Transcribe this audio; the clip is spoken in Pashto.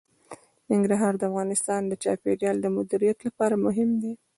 ننګرهار د افغانستان د چاپیریال د مدیریت لپاره مهم دي.